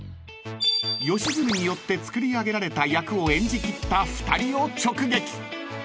［吉住によってつくり上げられた役を演じきった２人を直撃！］